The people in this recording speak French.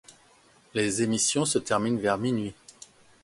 Les émissions se terminent vers minuit.